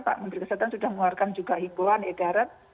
pak menteri kesehatan sudah mengeluarkan juga himbauan edaran